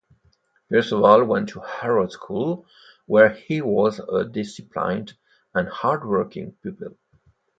Perceval went to Harrow School, where he was a disciplined and hard-working pupil.